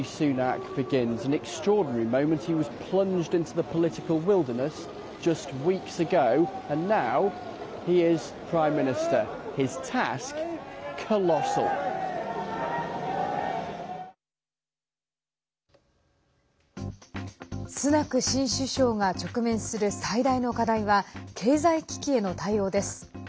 新首相が直面する最大の課題は経済危機への対応です。